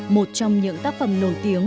một trong những tác phẩm nổi tiếng